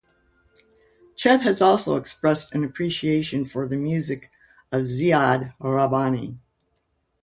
Cheb has also expressed an appreciation for the music of Ziad Rahbani.